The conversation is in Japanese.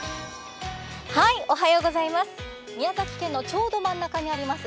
宮崎県のちょうど真ん中にあります